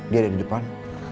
dia ada di depan